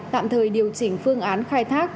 tạm thời điều chỉnh phương án khai thác